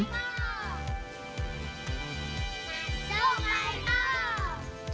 masuk pak eko